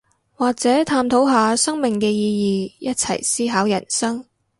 或者探討下生命嘅意義，一齊思考人生